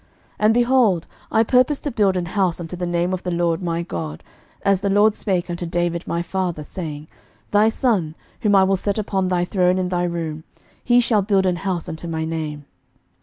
11:005:005 And, behold, I purpose to build an house unto the name of the LORD my God, as the LORD spake unto David my father, saying, Thy son, whom I will set upon thy throne in thy room, he shall build an house unto my name.